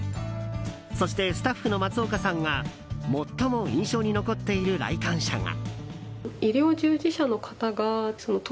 そして、スタッフの松岡さんが最も印象に残っている来館者が。